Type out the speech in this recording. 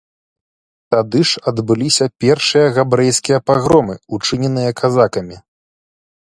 Тады ж адбыліся першыя габрэйскія пагромы, учыненыя казакамі.